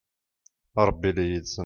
a rebbi ili yid-sen